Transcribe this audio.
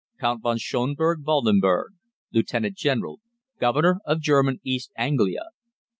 =Count VON SCHONBURG WALDENBURG, Lieutenant General, Governor of German East Anglia.